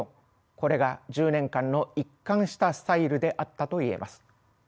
これが１０年間の一貫したスタイルであったと言えます。